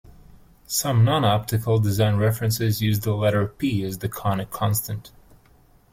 Some non-optical design references use the letter "p" as the conic constant.